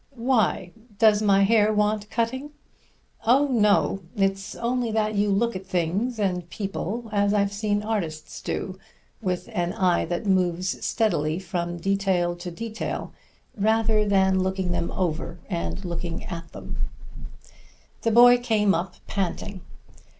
"Why? Does my hair want cutting?" "Oh, no! It's only that you look at things and people as I've seen artists do, with an eye that moves steadily from detail to detail rather looking them over than looking at them." The boy came up panting.